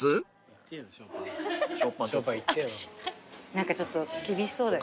何かちょっと厳しそうだよ。